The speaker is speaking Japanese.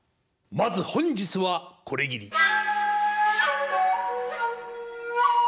まず本日はこれぎり。